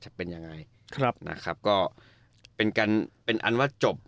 จะเป็นยังไงเรียบร้อยนะครับก็เป็นกันเป็นความรู้จักว่า